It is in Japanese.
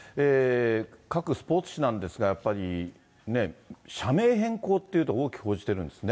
各スポーツ紙なんですが、やっぱり社名変更っていうと大きく報じてるんですね。